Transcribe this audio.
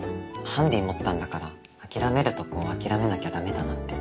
ハンディ持ったんだから諦めるとこ諦めなきゃ駄目だなって。